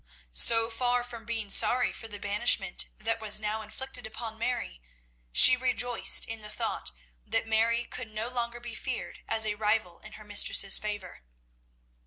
So far from being sorry for the banishment that was now inflicted upon Mary, she rejoiced in the thought that Mary could no longer be feared as a rival in her mistress's favour.